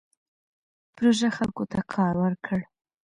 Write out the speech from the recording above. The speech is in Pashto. پروژه خلکو ته کار ورکړ.